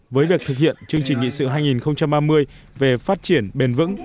với việc thực hiện chương trình nghị sự hai nghìn ba mươi về phát triển bền vững